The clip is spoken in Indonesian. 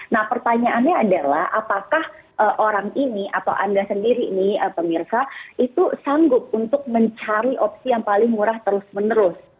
nah pertanyaannya adalah apakah orang ini atau anda sendiri nih pemirsa itu sanggup untuk mencari opsi yang paling murah terus menerus